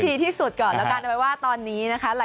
ดีที่สุดนอกการไปว่าตอนนี้นะคะ